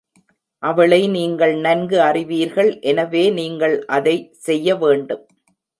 அவளை நீங்கள் நன்கு அறிவீர்கள் , எனவே நீங்கள் அதை செய்ய வேண்டும் .